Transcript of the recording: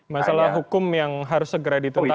masalah hukum yang harus segera dituntaskan